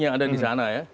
yang ada di sana ya